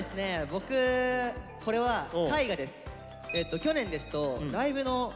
僕これは絵画です。